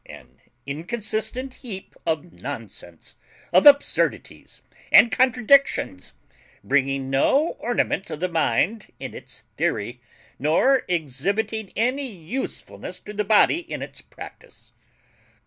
An inconsistent heap of nonsense, of absurdities and contradictions, bringing no ornament to the mind in its theory, nor exhibiting any usefulness to the body in its practice.